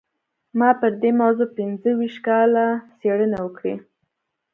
ما پر دې موضوع پينځه ويشت کاله څېړنې وکړې.